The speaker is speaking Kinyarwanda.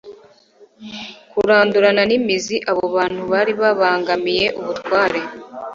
kurandurana n'imizi abo bantu bari babangamiye ubutware